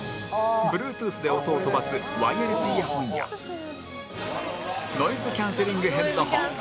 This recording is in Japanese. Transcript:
Ｂｌｕｅｔｏｏｔｈ で音を飛ばすワイヤレスイヤホンやノイズキャンセリングヘッドホン